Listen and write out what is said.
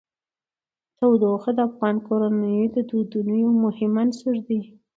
تودوخه د افغان کورنیو د دودونو یو مهم عنصر دی.